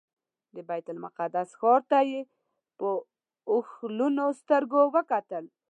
د بیت المقدس ښار ته یې په اوښلنو سترګو وکتل.